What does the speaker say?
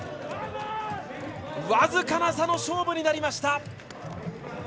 僅かな差の勝負になりました。